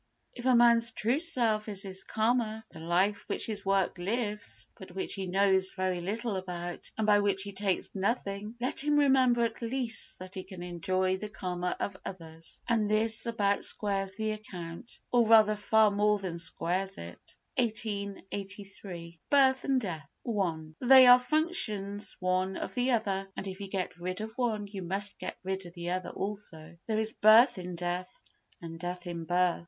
If a man's true self is his karma—the life which his work lives but which he knows very little about and by which he takes nothing—let him remember at least that he can enjoy the karma of others, and this about squares the account—or rather far more than squares it. [1883.] Birth and Death i They are functions one of the other and if you get rid of one you must get rid of the other also. There is birth in death and death in birth.